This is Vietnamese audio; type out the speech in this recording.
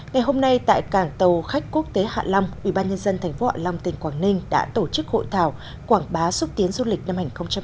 ngày hôm nay tại cảng tàu khách quốc tế hạ long ubnd tp hạ long tỉnh quảng ninh đã tổ chức hội thảo quảng bá xúc tiến du lịch năm hai nghìn hai mươi